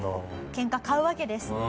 ケンカを買うわけです。